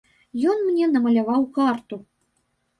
Ён мне намаляваў карту.